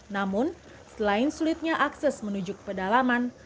namun selain sulitnya akses menuju ke pedalaman